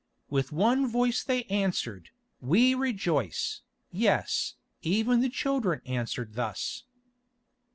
With one voice they answered, "We rejoice!" Yes, even the children answered thus.